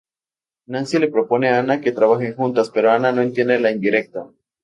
Nancy le propone a Ana que trabajen juntas, pero Ana no entiende la indirecta.